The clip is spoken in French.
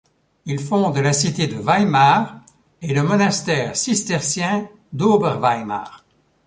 Il fonde la cité de Weimar et le monastère cistercien d'Oberweimar.